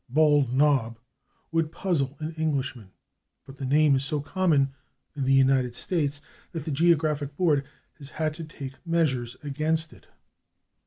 /Bald Knob/ would puzzle an Englishman, but the name is so common in the United States that the Geographic Board has had to take measures against it.